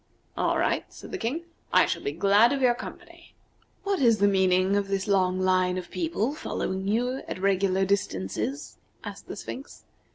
"All right," said the King. "I shall be glad of your company." "What is the meaning of this long line of people following you at regular distances?" asked the Sphinx.